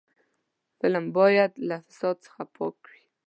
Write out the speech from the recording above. فلم باید له فساد څخه پاک وي